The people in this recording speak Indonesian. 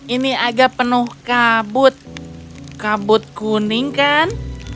ini agak penuh kabut kabut kuning kan